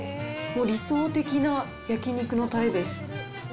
もう理想的な焼肉のたれです。